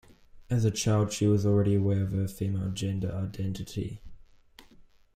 As a child, she was already aware of her female gender identity.